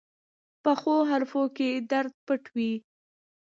پخو حرفو کې درد پټ وي